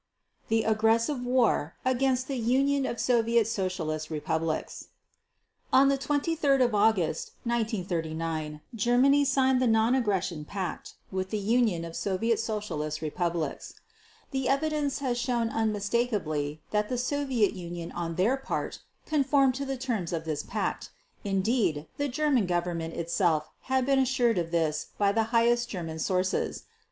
The Aggressive War against the Union of Soviet Socialist Republics On 23 August 1939 Germany signed the non aggression pact with the Union of Soviet Socialist Republics. The evidence has shown unmistakably that the Soviet Union on their part conformed to the terms of this pact; indeed the German Government itself had been assured of this by the highest German sources.